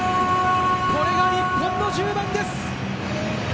これが日本の１０番です。